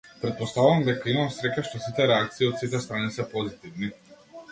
Претпоставувам дека имам среќа што сите реакции од сите страни се позитивни.